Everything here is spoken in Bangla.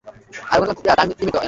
ভেনুগোপাল কোথা থেকে এলো?